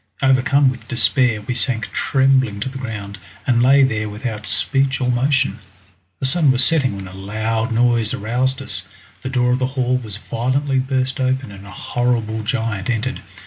Overcome with despair we sank trembling to the ground, and lay there without speech or motion. The sun was setting when a loud noise aroused us, the door of the hall was violently burst open and a horrible giant entered.